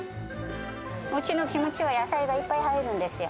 うちのキムチは野菜がいっぱい入るんですよ。